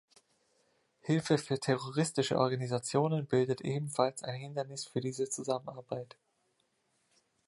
Hilfe für terroristische Organisationen bildet ebenfalls ein Hindernis für diese Zusammenarbeit.